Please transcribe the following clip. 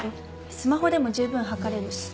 スマホでも十分計れるし。